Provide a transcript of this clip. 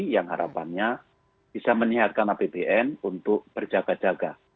yang harapannya bisa menyehatkan apbn untuk berjaga jaga